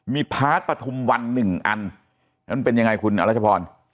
มีพาร์ทปฐุมวันหนึ่งอันนั้นเป็นยังไงคุณอรัชพร